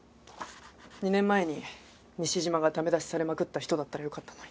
２年前に西島がダメ出しされまくった人だったらよかったのに。